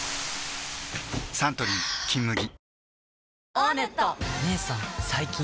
サントリー「金麦」